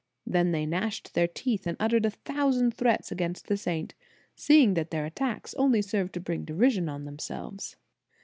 Then they gnashed their teeth, and uttered a thou sand threats against the saint, seeing that their attacks only served to bring derision on themselves."